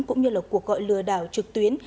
cũng như là cuộc gọi lừa đảo trực tuyến